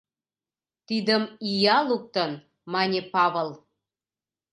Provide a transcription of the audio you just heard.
— Тидым ия луктын! — мане Павыл.